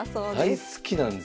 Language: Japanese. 大好きなんですね。